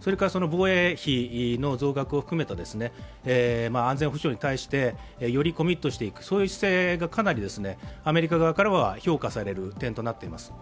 それから、防衛費の増額を含めた安全保障に対してよりコミットしていく姿勢がかなりアメリカ側からは評価される点となっています。